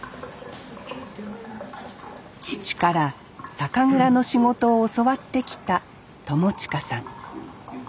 父から酒蔵の仕事を教わってきた朋慈さん